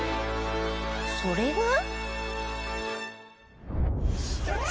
それが。